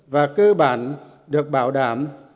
và cơ bản được bảo đảm